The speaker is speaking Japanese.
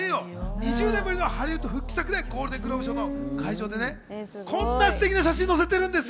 ２０年ぶりのハリウッド復帰作でゴールデングローブ賞の会場で、こんなステキな写真を載せてるんですよ！